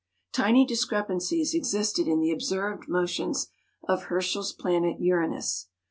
Tiny discrepancies existed in the observed motions of Herschel's planet Uranus.